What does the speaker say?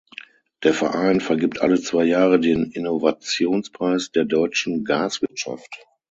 Der Verein vergibt alle zwei Jahre den "Innovationspreis der deutschen Gaswirtschaft".